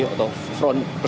atau front persatuan islam